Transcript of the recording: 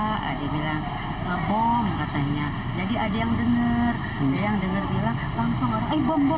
ada yang dengar bilang eh bom bom